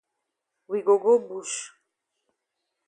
We go go bush.